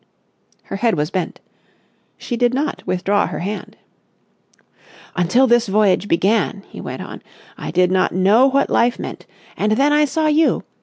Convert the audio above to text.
Her head was bent. She did not withdraw her hand. "Until this voyage began," he went on, "I did not know what life meant. And then I saw you!